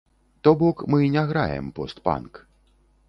То бок мы не граем пост-панк.